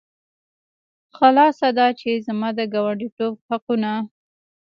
خلاصه دا چې زما د ګاونډیتوب حقونه.